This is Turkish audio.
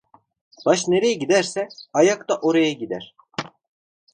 Baş nereye giderse, ayak da oraya gider.